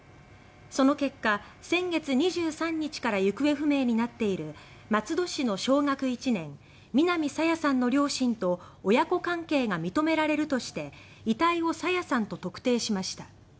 その結果、先月２３日から行方不明になっている松戸市の小学１年南朝芽さんの両親と親子関係が認められるとして遺体を朝芽さんと特定しました。